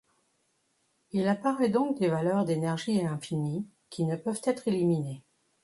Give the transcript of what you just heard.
Il apparaît donc des valeurs d'énergie infinies qui ne peuvent être éliminées.